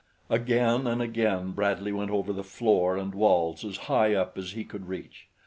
Again and again Bradley went over the floor and walls as high up as he could reach.